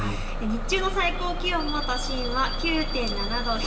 日中の最高気温も都心は９．７度。